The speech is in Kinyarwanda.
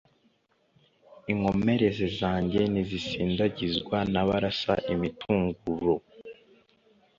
Inkomere zanjye ntizisindagizwa n' abarasa imitunguro.